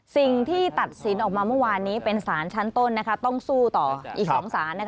สิ่งที่ตัดสินออกมาเมื่อวานนี้เป็นสารชั้นต้นต้องสู้ต่ออีก๒สาร